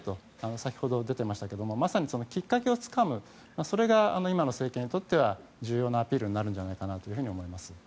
先ほども出ていましたがまさにきっかけをつかむそれが今の政権にとっては重要なアピールになるんじゃないかと思います。